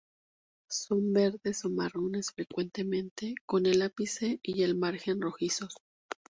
Son verdes o marrones, frecuentemente con el ápice y el margen rojizos.